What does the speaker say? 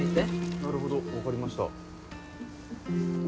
なるほど分かりました。